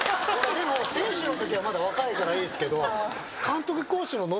でも選手のときはまだ若いからいいですけど。